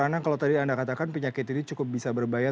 karena kalau tadi anda katakan penyakit ini cukup bisa berbayar